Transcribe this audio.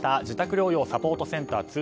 自宅療養サポートセンター